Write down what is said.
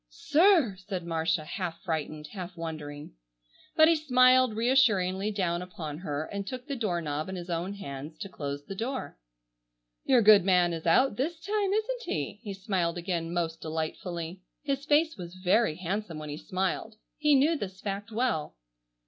"Sir!" said Marcia, half frightened, half wondering. But he smiled reassuringly down upon her and took the door knob in his own hands to close the door. "Your good man is out this time, isn't he?" he smiled again most delightfully. His face was very handsome when he smiled. He knew this fact well.